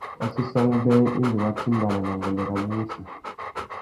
Wa séssamú being indi wa timbāna nà nguêndê rabú wussi.